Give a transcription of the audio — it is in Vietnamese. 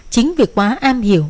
chính vì quá am hiểu